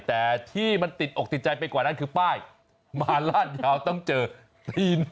แต่ที่มันติดอกติดใจไปกว่านั้นคือป้ายมาลาดยาวต้องเจอตีน